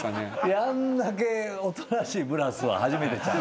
あんだけおとなしいブラスは初めてちゃう？